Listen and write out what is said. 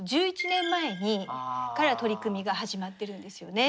１１年前から取り組みが始まっているんですよね。